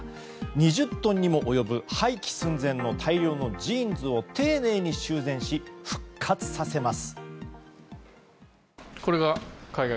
２０トンにも及ぶ廃棄寸前の大量のジーンズを丁寧に修繕し復活させます。